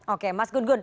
oke mas gun gun